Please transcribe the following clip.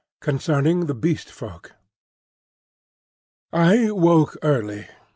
CONCERNING THE BEAST FOLK. I woke early.